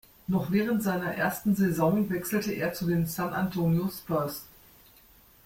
Noch während seiner ersten Saison wechselte er zu den San Antonio Spurs.